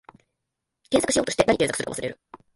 検索しようとして、なに検索するか忘れる